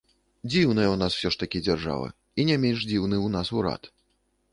Дзіўная ў нас усё ж такі дзяржава, і не менш дзіўны ў нас урад.